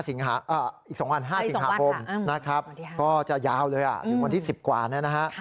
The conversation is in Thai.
อีก๒วัน๕สิงหาคมนะครับก็จะยาวเลยถึงวันที่๑๐กว่านะฮะ